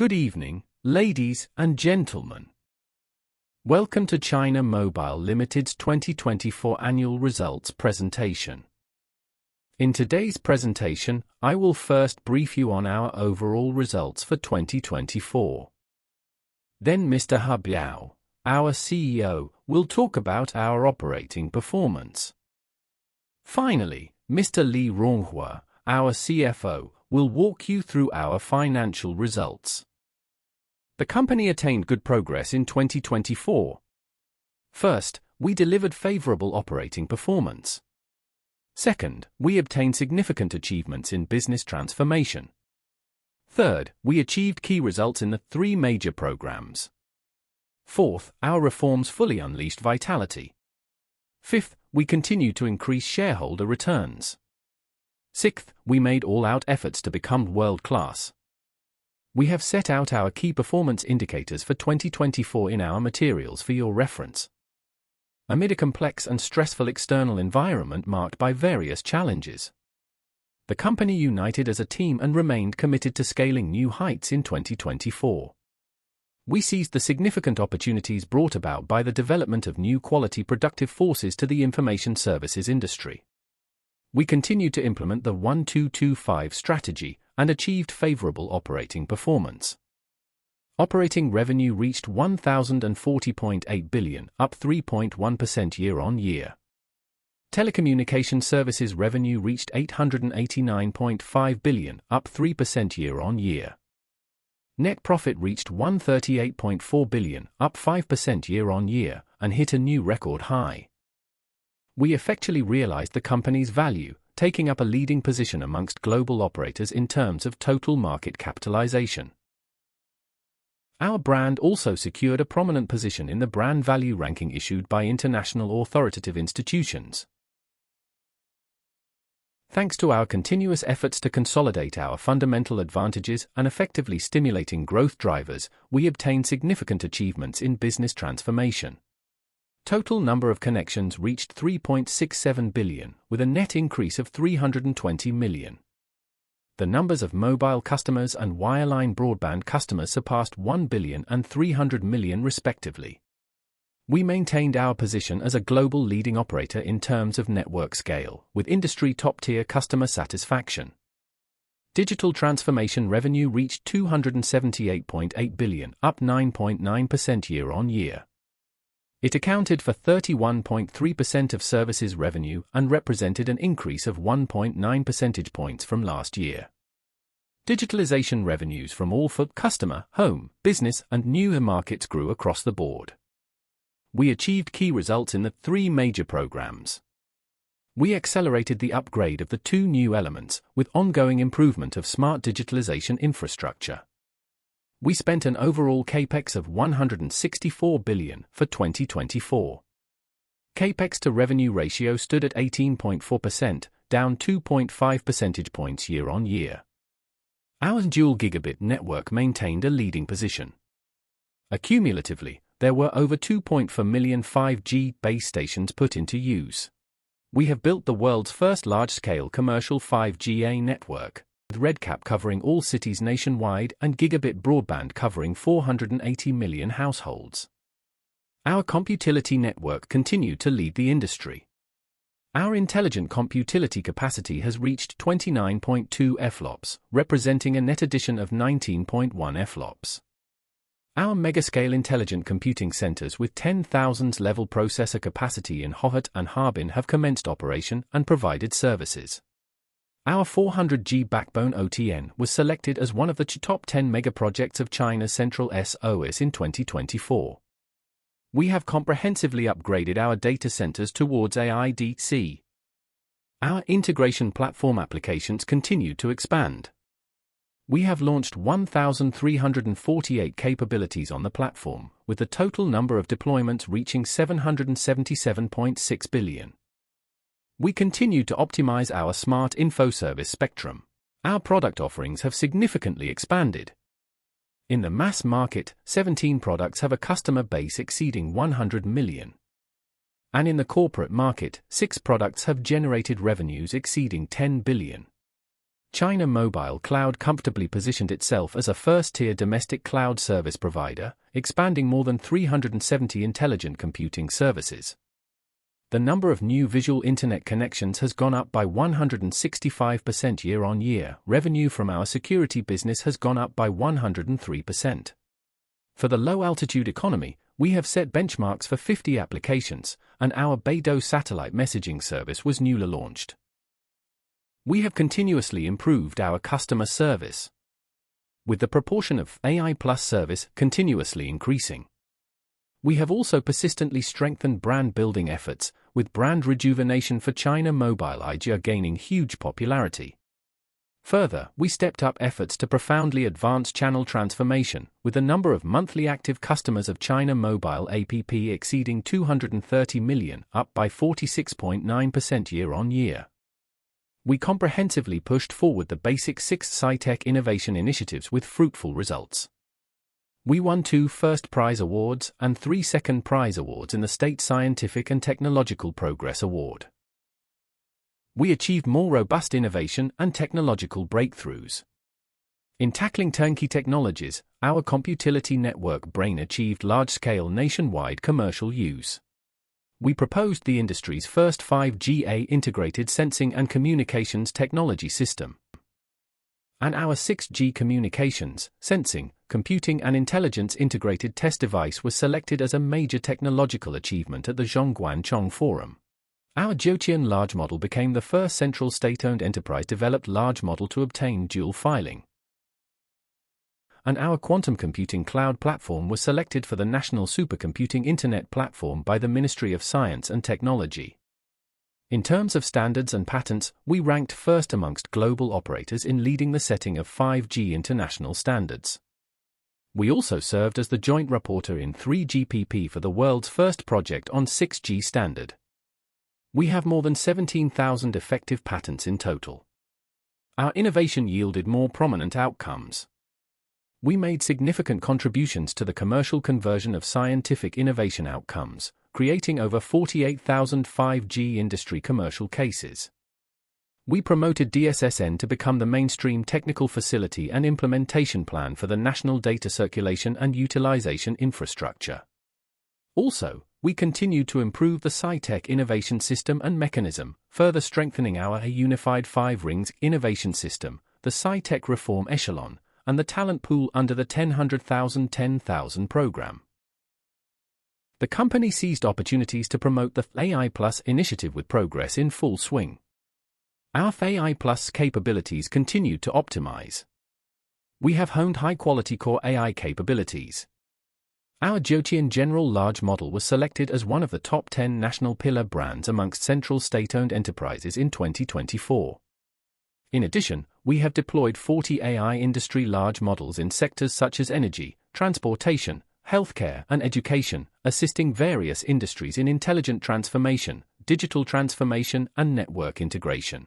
Good evening, ladies and gentlemen. Welcome to China Mobile Limited 2024 Annual Results Presentation. In today's presentation, I will first brief you on our overall results for 2024. Then Mr. He Biao, our CEO, will talk about our operating performance. Finally, Mr. Li Ronghua, our CFO, will walk you through our financial results. The company attained good progress in 2024. First, we delivered favorable operating performance. Second, we obtained significant achievements in business transformation. Third, we achieved key results in the three major programs. Fourth, our reforms fully unleashed vitality. Fifth, we continue to increase shareholder returns. Sixth, we made all-out efforts to become world-class. We have set out our key performance indicators for 2024 in our materials for your reference. Amid a complex and stressful external environment marked by various challenges, the company united as a team and remained committed to scaling new heights in 2024. We seized the significant opportunities brought about by the development of new quality productive forces to the information services industry. We continue to implement the 1-2-2-5 strategy and achieved favorable operating performance. Operating revenue reached 1,040.8 billion, up 3.1% year-on-year. Telecommunication services revenue reached 889.5 billion, up 3% year-on-year. Net profit reached 138.4 billion, up 5% year-on-year, and hit a new record high. We effectively realized the company's value, taking up a leading position amongst global operators in terms of total market capitalization. Our brand also secured a prominent position in the brand value ranking issued by international authoritative institutions. Thanks to our continuous efforts to consolidate our fundamental advantages and effectively stimulating growth drivers, we obtained significant achievements in business transformation. Total number of connections reached 3.67 billion, with a net increase of 320 million. The numbers of mobile customers and wireline broadband customers surpassed 1 billion and 300 million, respectively. We maintained our position as a global leading operator in terms of network scale, with industry top-tier customer satisfaction. Digital transformation revenue reached 278.8 billion, up 9.9% year-on-year. It accounted for 31.3% of services revenue and represented an increase of 1.9 percentage points from last year. Digitalization revenues from all for customer, home, business, and new markets grew across the board. We achieved key results in the three major programs. We accelerated the upgrade of the two new elements, with ongoing improvement of smart digitalization infrastructure. We spent an overall CapEx of 164 billion for 2024. CapEx-to-revenue ratio stood at 18.4%, down 2.5 percentage points year-on-year. Our dual gigabit network maintained a leading position. Accumulatively, there were over 2.4 million 5G base stations put into use. We have built the world's first large-scale commercial 5G network, with RedCap covering all cities nationwide and gigabit broadband covering 480 million households. Our computing utility network continued to lead the industry. Our intelligent computing utility capacity has reached 29.2 EFLOPS, representing a net addition of 19.1 EFLOPS. Our mega-scale intelligent computing centers with 10,000 level processor capacity in Hohhot and Harbin have commenced operation and provided services. Our 400G backbone OTN was selected as one of the top 10 mega projects of China Central SOEs in 2024. We have comprehensively upgraded our data centers towards AIDC. Our integration platform applications continued to expand. We have launched 1,348 capabilities on the platform, with the total number of deployments reaching 777.6 billion. We continue to optimize our smart info service spectrum. Our product offerings have significantly expanded. In the mass market, 17 products have a customer base exceeding 100 million. In the corporate market, six products have generated revenues exceeding 10 billion. China Mobile Cloud comfortably positioned itself as a first-tier domestic cloud service provider, expanding more than 370 intelligent computing services. The number of new visual internet connections has gone up by 165% year-on-year. Revenue from our security business has gone up by 103%. For the low-altitude economy, we have set benchmarks for 50 applications, and our BeiDou satellite messaging service was newly launched. We have continuously improved our customer service, with the proportion of AI+ service continuously increasing. We have also persistently strengthened brand building efforts, with brand rejuvenation for China Mobile Aijia gaining huge popularity. Further, we stepped up efforts to profoundly advance channel transformation, with the number of monthly active customers of China Mobile App exceeding 230 million, up by 46.9% year-on-year. We comprehensively pushed forward the BASIC6 high-tech innovation initiatives with fruitful results. We won two first prize awards and three second prize awards in the State Scientific and Technological Progress Award. We achieved more robust innovation and technological breakthroughs. In tackling turnkey technologies, our computing utility network brain achieved large-scale nationwide commercial use. We proposed the industry's first 5G integrated sensing and communications technology system, and our 6G communications, sensing, computing, and intelligence integrated test device was selected as a major technological achievement at the Zhongguancun Forum. Our Jiutian large model became the first central state-owned enterprise-developed large model to obtain dual filing, and our quantum computing cloud platform was selected for the National Supercomputing Internet Platform by the Ministry of Science and Technology. In terms of standards and patents, we ranked first amongst global operators in leading the setting of 5G international standards. We also served as the joint reporter in 3GPP for the world's first project on 6G standard. We have more than 17,000 effective patents in total. Our innovation yielded more prominent outcomes. We made significant contributions to the commercial conversion of scientific innovation outcomes, creating over 48,000 5G industry commercial cases. We promoted DSSN to become the mainstream technical facility and implementation plan for the national data circulation and utilization infrastructure. Also, we continue to improve the high-tech innovation system and mechanism, further strengthening our unified five rings innovation system, the high-tech reform echelon, and the talent pool under the Double Ten Thousand program. The company seized opportunities to promote the AI+ initiative with progress in full swing. Our AI+ capabilities continued to optimize. We have honed high-quality core AI capabilities. Our Jiutian general large model was selected as one of the top 10 national pillar brands amongst central state-owned enterprises in 2024. In addition, we have deployed 40 AI industry large models in sectors such as energy, transportation, healthcare, and education, assisting various industries in intelligent transformation, digital transformation, and network integration.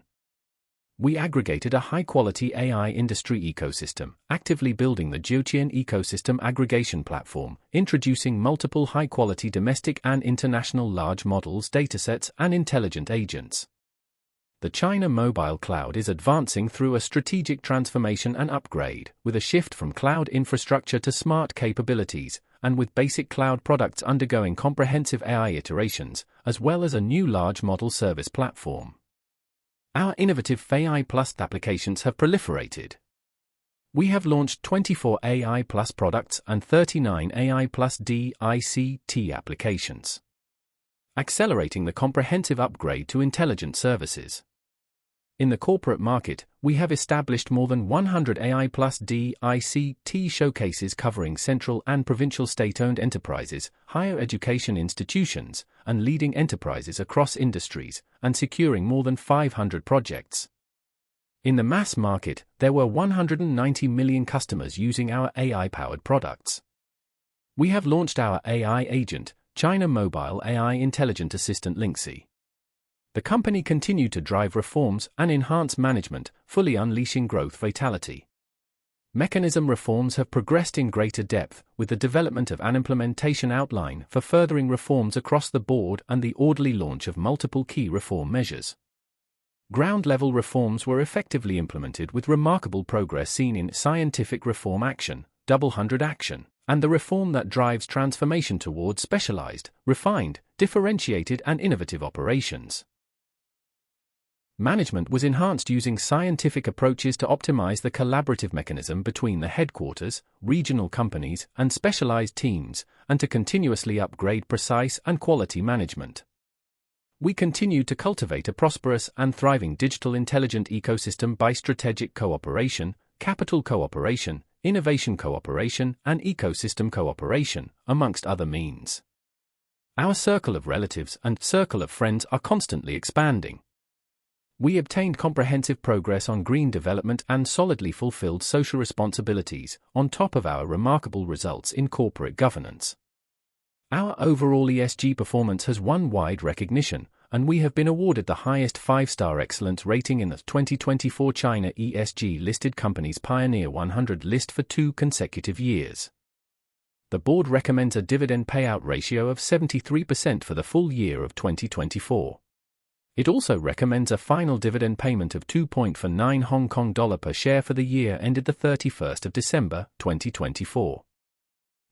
We aggregated a high-quality AI industry ecosystem, actively building the Jiutian ecosystem aggregation platform, introducing multiple high-quality domestic and international large models, data sets, and intelligent agents. The China Mobile Cloud is advancing through a strategic transformation and upgrade, with a shift from cloud infrastructure to smart capabilities, and with basic cloud products undergoing comprehensive AI iterations, as well as a new large model service platform. Our innovative AI+ applications have proliferated. We have launched 24 AI+ products and 39 AI+ DICT applications, accelerating the comprehensive upgrade to intelligent services. In the corporate market, we have established more than 100 AI+ DICT showcases covering central and provincial state-owned enterprises, higher education institutions, and leading enterprises across industries, and securing more than 500 projects. In the mass market, there were 190 million customers using our AI-powered products. We have launched our AI agent, China Mobile AI Intelligent Assistant Lingxi. The company continued to drive reforms and enhance management, fully unleashing growth vitality. Mechanism reforms have progressed in greater depth, with the development of an implementation outline for furthering reforms across the board and the orderly launch of multiple key reform measures. Ground-level reforms were effectively implemented, with remarkable progress seen in Scientific Reform Action, Double Hundred Action, and the reform that drives transformation towards specialized, refined, differentiated, and innovative operations. Management was enhanced using scientific approaches to optimize the collaborative mechanism between the headquarters, regional companies, and specialized teams, and to continuously upgrade precise and quality management. We continue to cultivate a prosperous and thriving digital intelligent ecosystem by strategic cooperation, capital cooperation, innovation cooperation, and ecosystem cooperation, amongst other means. Our circle of relatives and circle of friends are constantly expanding. We obtained comprehensive progress on green development and solidly fulfilled social responsibilities, on top of our remarkable results in corporate governance. Our overall ESG performance has won wide recognition, and we have been awarded the highest five-star excellence rating in the 2024 China ESG Listed Companies Pioneer 100 list for two consecutive years. The board recommends a dividend payout ratio of 73% for the full year of 2024. It also recommends a final dividend payment of 2.49 Hong Kong dollar per share for the year ended the 31st of December 2024.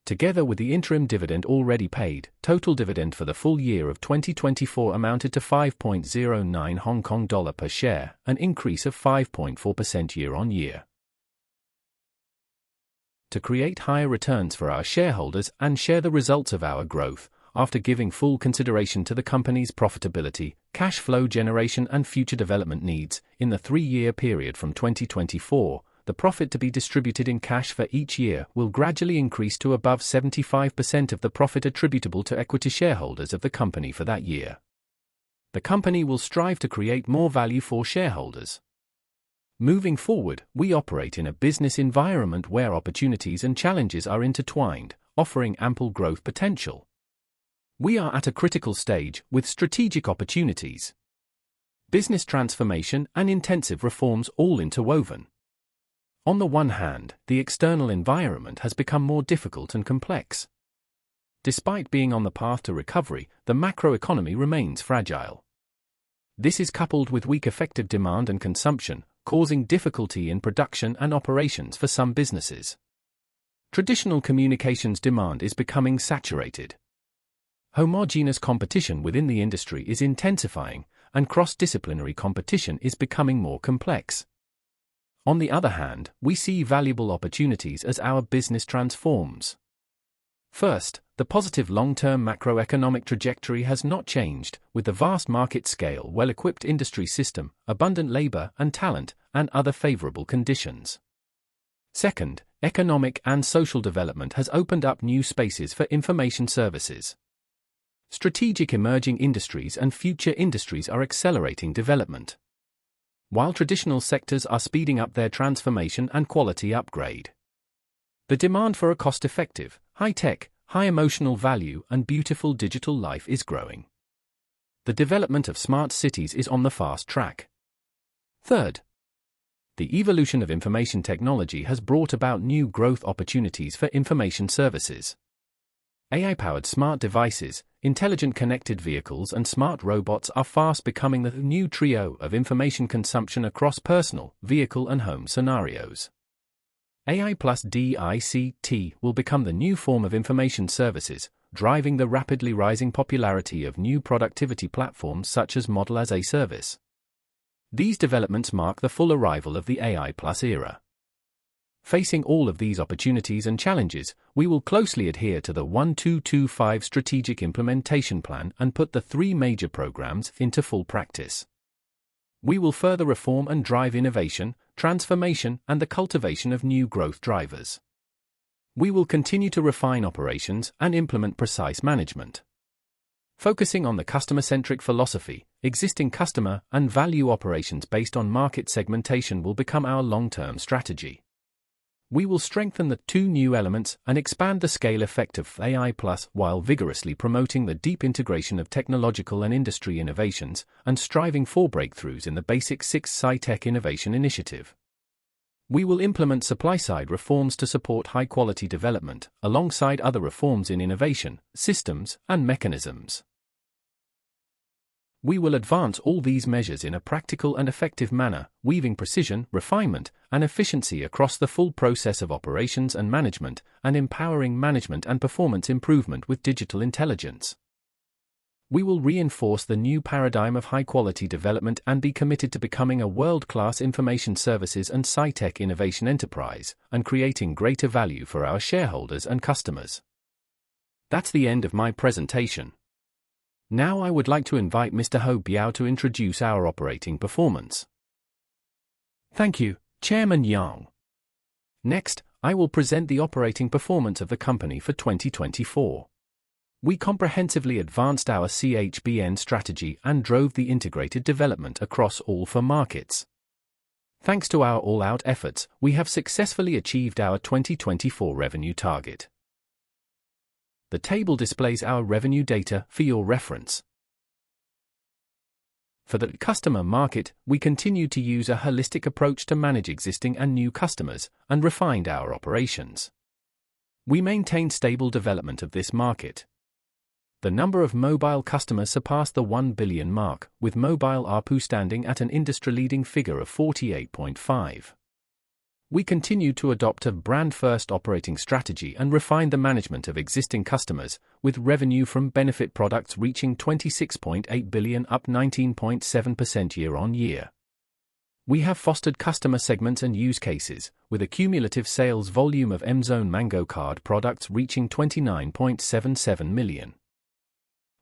Together with the interim dividend already paid, total dividend for the full year of 2024 amounted to 5.09 Hong Kong dollar per share, an increase of 5.4% year-on-year. To create higher returns for our shareholders and share the results of our growth, after giving full consideration to the company's profitability, cash flow generation, and future development needs, in the three-year period from 2024, the profit to be distributed in cash for each year will gradually increase to above 75% of the profit attributable to equity shareholders of the company for that year. The company will strive to create more value for shareholders. Moving forward, we operate in a business environment where opportunities and challenges are intertwined, offering ample growth potential. We are at a critical stage with strategic opportunities, business transformation, and intensive reforms all interwoven. On the one hand, the external environment has become more difficult and complex. Despite being on the path to recovery, the macro economy remains fragile. This is coupled with weak effective demand and consumption, causing difficulty in production and operations for some businesses. Traditional communications demand is becoming saturated. Homogeneous competition within the industry is intensifying, and cross-disciplinary competition is becoming more complex. On the other hand, we see valuable opportunities as our business transforms. First, the positive long-term macroeconomic trajectory has not changed, with the vast market scale, well-equipped industry system, abundant labor and talent, and other favorable conditions. Second, economic and social development has opened up new spaces for information services. Strategic emerging industries and future industries are accelerating development, while traditional sectors are speeding up their transformation and quality upgrade. The demand for a cost-effective, high-tech, high-emotional value, and beautiful digital life is growing. The development of smart cities is on the fast track. Third, the evolution of information technology has brought about new growth opportunities for information services. AI-powered smart devices, intelligent connected vehicles, and smart robots are fast becoming the new trio of information consumption across personal, vehicle, and home scenarios. AI+ DICT will become the new form of information services, driving the rapidly rising popularity of new productivity platforms such as Model-as-a-Service. These developments mark the full arrival of the AI+ era. Facing all of these opportunities and challenges, we will closely adhere to the 1-2-2-5 strategic implementation plan and put the three major programs into full practice. We will further reform and drive innovation, transformation, and the cultivation of new growth drivers. We will continue to refine operations and implement precise management, focusing on the customer-centric philosophy. Existing customer and value operations based on market segmentation will become our long-term strategy. We will strengthen the two new elements and expand the scale effect of AI+ while vigorously promoting the deep integration of technological and industry innovations and striving for breakthroughs in the BASIC6 high-tech innovation initiative. We will implement supply-side reforms to support high-quality development alongside other reforms in innovation systems and mechanisms. We will advance all these measures in a practical and effective manner, weaving precision, refinement, and efficiency across the full process of operations and management and empowering management and performance improvement with digital intelligence. We will reinforce the new paradigm of high-quality development and be committed to becoming a world-class information services and high-tech innovation enterprise and creating greater value for our shareholders and customers. That's the end of my presentation. Now I would like to invite Mr. He Biao to introduce our operating performance. Thank you, Chairman Yang. Next, I will present the operating performance of the company for 2024. We comprehensively advanced our CHBN strategy and drove the integrated development across all four markets. Thanks to our all-out efforts, we have successfully achieved our 2024 revenue target. The table displays our revenue data for your reference. For the customer market, we continue to use a holistic approach to manage existing and new customers and refined our operations. We maintain stable development of this market. The number of mobile customers surpassed the 1 billion mark, with mobile ARPU standing at an industry-leading figure of 48.5. We continue to adopt a brand-first operating strategy and refine the management of existing customers, with revenue from benefit products reaching 26.8 billion, up 19.7% year-on-year. We have fostered customer segments and use cases, with a cumulative sales volume of M-Zone Mango Card products reaching 29.77 million.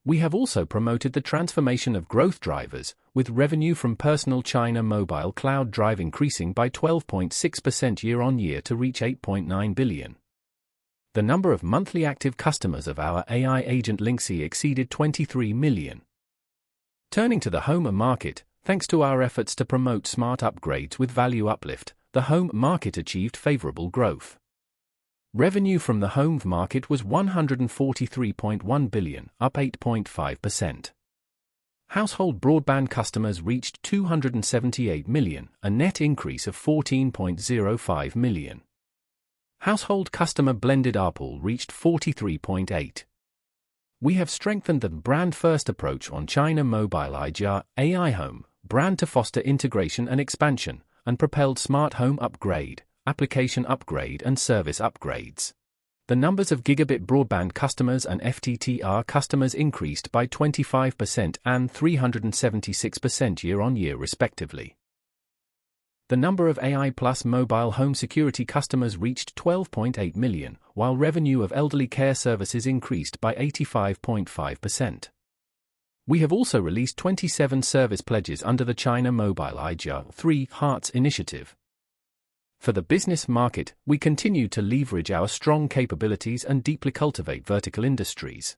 We have also promoted the transformation of growth drivers, with revenue from personal China Mobile Cloud Drive increasing by 12.6% year-on-year to reach 8.9 billion. The number of monthly active customers of our AI agent Lingxi exceeded 23 million. Turning to the home market, thanks to our efforts to promote smart upgrades with value uplift, the home market achieved favorable growth. Revenue from the home market was 143.1 billion, up 8.5%. Household broadband customers reached 278 million, a net increase of 14.05 million. Household customer blended ARPU reached 43.8. We have strengthened the brand-first approach on China Mobile Aijia AI Home, brand to foster integration and expansion, and propelled smart home upgrade, application upgrade, and service upgrades. The numbers of gigabit broadband customers and FTTR customers increased by 25% and 376% year-on-year, respectively. The number of AI+ mobile home security customers reached 12.8 million, while revenue of elderly care services increased by 85.5%. We have also released 27 service pledges under the China Mobile Aijia Three Hearts initiative. For the business market, we continue to leverage our strong capabilities and deeply cultivate vertical industries.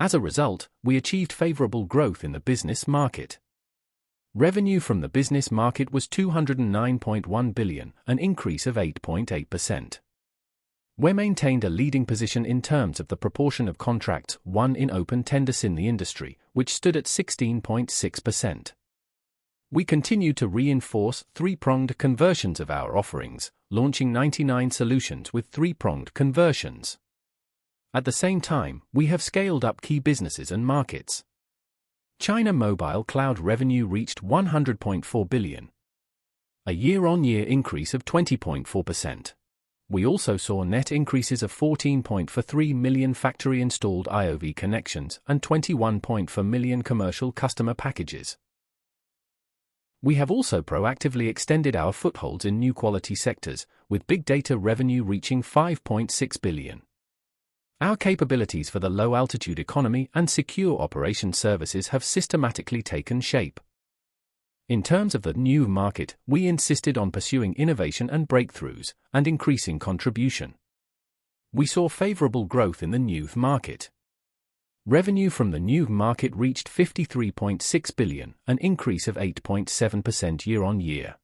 As a result, we achieved favorable growth in the business market. Revenue from the business market was 209.1 billion, an increase of 8.8%. We maintained a leading position in terms of the proportion of contracts won in open tenders in the industry, which stood at 16.6%. We continue to reinforce three-pronged conversions of our offerings, launching 99 solutions with three-pronged conversions. At the same time, we have scaled up key businesses and markets. China Mobile Cloud revenue reached 100.4 billion, a year-on-year increase of 20.4%. We also saw net increases of 14.43 million factory-installed IoV connections and 21.4 million commercial customer packages. We have also proactively extended our footholds in new quality sectors, with big data revenue reaching 5.6 billion. Our capabilities for the low-altitude economy and secure operation services have systematically taken shape. In terms of the new market, we insisted on pursuing innovation and breakthroughs and increasing contribution. We saw favorable growth in the new market. Revenue from the new market reached 53.6 billion, an increase of 8.7% year-on-year.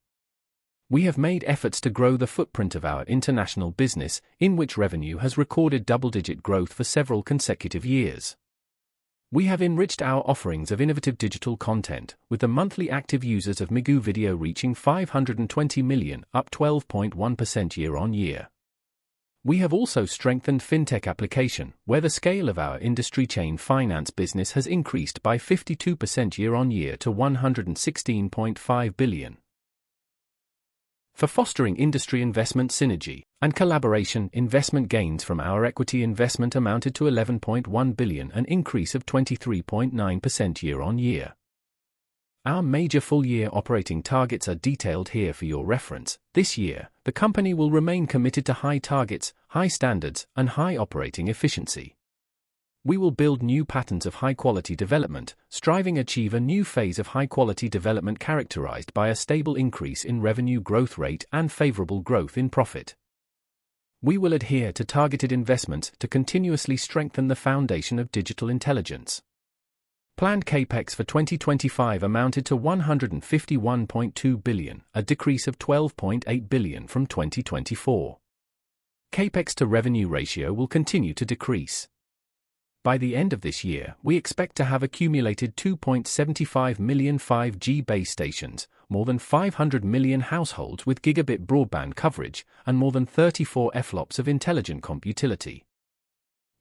We have made efforts to grow the footprint of our international business, in which revenue has recorded double-digit growth for several consecutive years. We have enriched our offerings of innovative digital content, with the monthly active users of Migu Video reaching 520 million, up 12.1% year-on-year. We have also strengthened fintech application, where the scale of our industry chain finance business has increased by 52% year-on-year to 116.5 billion. For fostering industry investment synergy and collaboration, investment gains from our equity investment amounted to 11.1 billion, an increase of 23.9% year-on-year. Our major full-year operating targets are detailed here for your reference. This year, the company will remain committed to high targets, high standards, and high operating efficiency. We will build new patterns of high-quality development, striving to achieve a new phase of high-quality development characterized by a stable increase in revenue growth rate and favorable growth in profit. We will adhere to targeted investments to continuously strengthen the foundation of digital intelligence. Planned CapEx for 2025 amounted to RMB 151.2 billion, a decrease of RMB 12.8 billion from 2024. CapEx to revenue ratio will continue to decrease. By the end of this year, we expect to have accumulated 2.75 million 5G base stations, more than 500 million households with gigabit broadband coverage, and more than 34 EFLOPS of intelligent computing utility.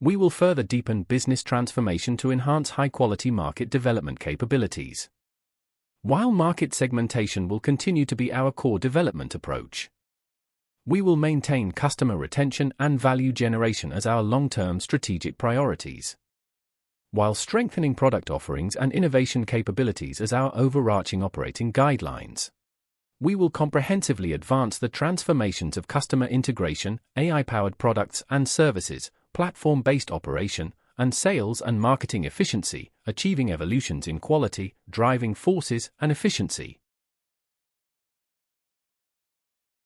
We will further deepen business transformation to enhance high-quality market development capabilities. While market segmentation will continue to be our core development approach, we will maintain customer retention and value generation as our long-term strategic priorities, while strengthening product offerings and innovation capabilities as our overarching operating guidelines. We will comprehensively advance the transformations of customer integration, AI-powered products and services, platform-based operation, and sales and marketing efficiency, achieving evolutions in quality, driving forces, and efficiency.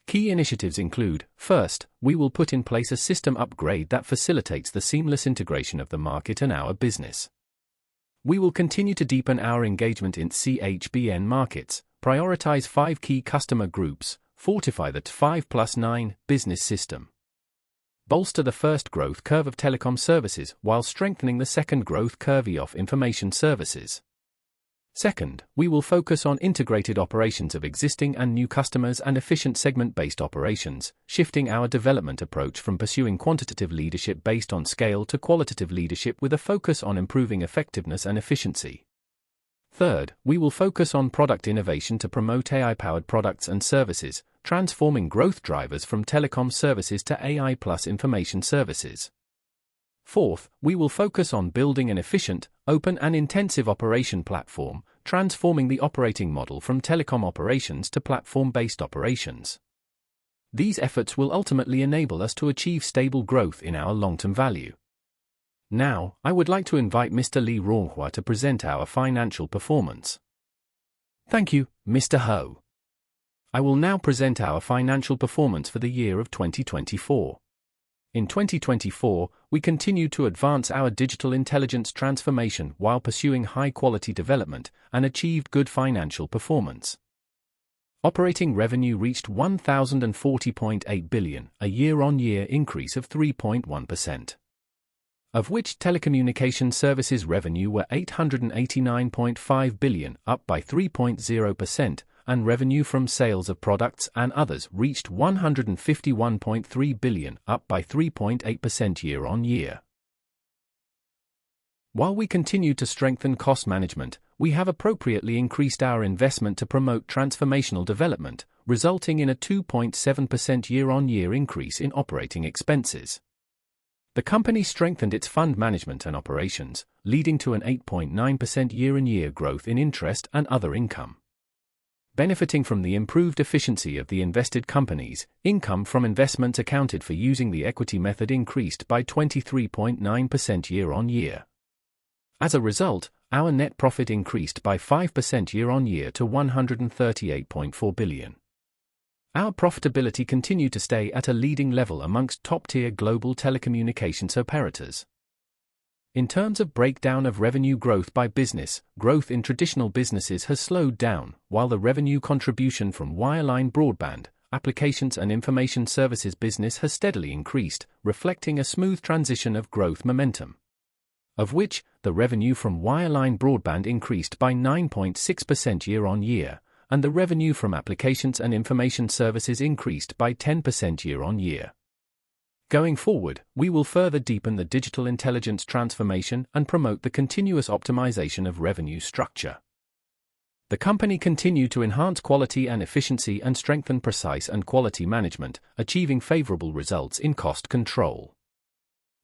Key initiatives include: First, we will put in place a system upgrade that facilitates the seamless integration of the market and our business. We will continue to deepen our engagement in CHBN markets, prioritize five key customer groups, fortify the 5 plus 9 business system, and bolster the first growth curve of telecom services while strengthening the second growth curve of information services. Second, we will focus on integrated operations of existing and new customers and efficient segment-based operations, shifting our development approach from pursuing quantitative leadership based on scale to qualitative leadership with a focus on improving effectiveness and efficiency. Third, we will focus on product innovation to promote AI-powered products and services, transforming growth drivers from telecom services to AI+ information services. Fourth, we will focus on building an efficient, open, and intensive operation platform, transforming the operating model from telecom operations to platform-based operations. These efforts will ultimately enable us to achieve stable growth in our long-term value. Now, I would like to invite Mr. Li Ronghua to present our financial performance. Thank you, Mr. He. I will now present our financial performance for the year of 2024. In 2024, we continued to advance our digital intelligence transformation while pursuing high-quality development and achieved good financial performance. Operating revenue reached 1,040.8 billion, a year-on-year increase of 3.1%, of which telecommunication services revenue was 889.5 billion, up by 3.0%, and revenue from sales of products and others reached 151.3 billion, up by 3.8% year-on-year. While we continue to strengthen cost management, we have appropriately increased our investment to promote transformational development, resulting in a 2.7% year-on-year increase in operating expenses. The company strengthened its fund management and operations, leading to an 8.9% year-on-year growth in interest and other income. Benefiting from the improved efficiency of the invested companies, income from investments accounted for using the equity method increased by 23.9% year-on-year. As a result, our net profit increased by 5% year-on-year to 138.4 billion. Our profitability continued to stay at a leading level amongst top-tier global telecommunications operators. In terms of breakdown of revenue growth by business, growth in traditional businesses has slowed down, while the revenue contribution from wireline broadband, applications, and information services business has steadily increased, reflecting a smooth transition of growth momentum, of which the revenue from wireline broadband increased by 9.6% year-on-year, and the revenue from applications and information services increased by 10% year-on-year. Going forward, we will further deepen the digital intelligence transformation and promote the continuous optimization of revenue structure. The company continued to enhance quality and efficiency and strengthen precise and quality management, achieving favorable results in cost control.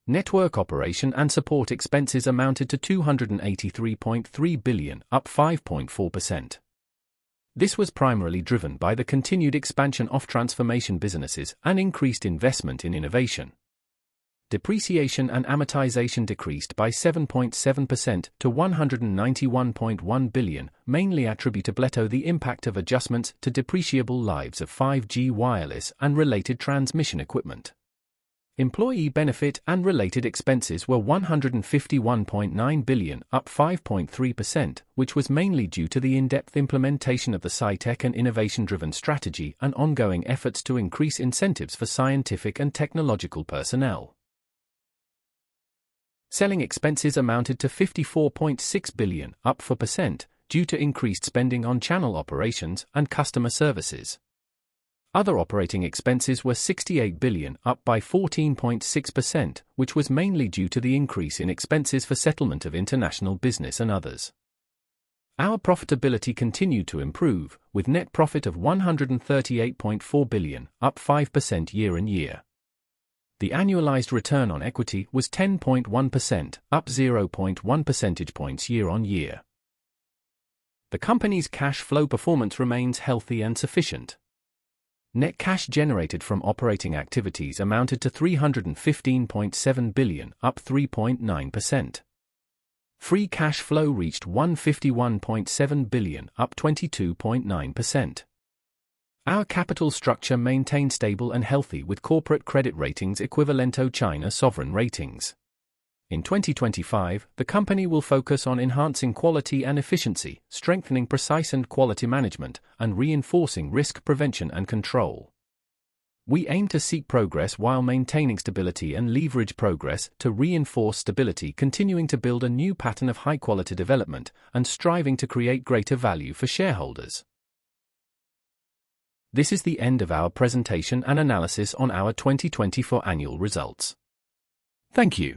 Network operation and support expenses amounted to 283.3 billion, up 5.4%. This was primarily driven by the continued expansion of transformation businesses and increased investment in innovation. Depreciation and amortization decreased by 7.7% to 191.1 billion, mainly attributable to the impact of adjustments to depreciable lives of 5G wireless and related transmission equipment. Employee benefit and related expenses were 151.9 billion, up 5.3%, which was mainly due to the in-depth implementation of the high-tech and innovation-driven strategy and ongoing efforts to increase incentives for scientific and technological personnel. Selling expenses amounted to 54.6 billion, up 4%, due to increased spending on channel operations and customer services. Other operating expenses were 68 billion, up by 14.6%, which was mainly due to the increase in expenses for settlement of international business and others. Our profitability continued to improve, with net profit of 138.4 billion, up 5% year-on-year. The annualized return on equity was 10.1%, up 0.1 percentage points year-on-year. The company's cash flow performance remains healthy and sufficient. Net cash generated from operating activities amounted to 315.7 billion, up 3.9%. Free cash flow reached 151.7 billion, up 22.9%. Our capital structure maintained stable and healthy with corporate credit ratings equivalent to China sovereign ratings. In 2025, the company will focus on enhancing quality and efficiency, strengthening precise and quality management, and reinforcing risk prevention and control. We aim to seek progress while maintaining stability and leverage progress to reinforce stability, continuing to build a new pattern of high-quality development and striving to create greater value for shareholders. This is the end of our presentation and analysis on our 2024 annual results. Thank you.